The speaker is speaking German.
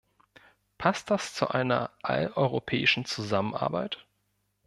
Passt das zu einer alleuropäischen Zusammenarbeit?